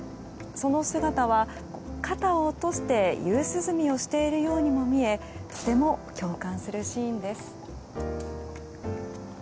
その姿は肩を落として夕涼みをしているようにも見えとても共感するシーンです。